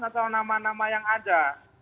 atau nama nama yang ada